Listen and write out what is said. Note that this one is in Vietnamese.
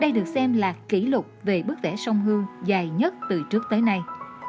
đây được xem là kỷ lục về bức vẽ sông hương dài nhất từ trước tới nay